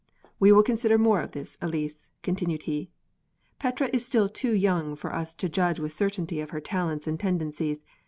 "We will consider more of this, Elise," continued he: "Petrea is still too young for us to judge with certainty of her talents and tendencies.